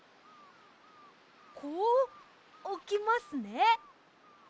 こうおきますね。